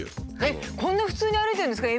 こんな普通に歩いてるんですか？